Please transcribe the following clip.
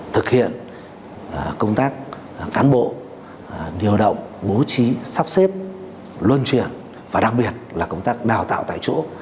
thực hiện công tác cán bộ điều động bố trí sắp xếp luân truyền và đặc biệt là công tác đào tạo tại chỗ